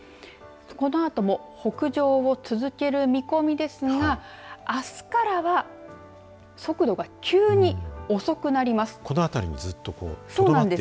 このあとも北上を続ける見込みですがあすからは速度が急に遅くなります。